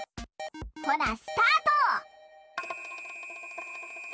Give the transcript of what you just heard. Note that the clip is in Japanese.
ほなスタート！